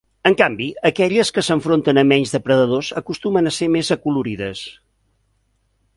En canvi, aquelles que s'enfronten a menys depredadors, acostumen a ser més acolorides.